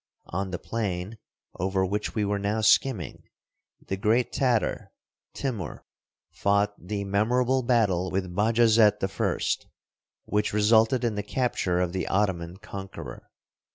On the plain, over which we were now skimming, the great Tatar, Timur, fought the memorable battle with Bajazet I., which resulted in the capture of the Ottoman conqueror.